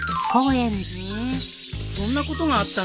ふーんそんなことがあったんだ。